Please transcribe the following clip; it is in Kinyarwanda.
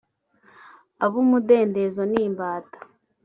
abumudendezo n'imbata